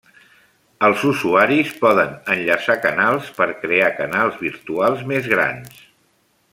Els usuaris poden enllaçar canals per crear canals virtuals més grans.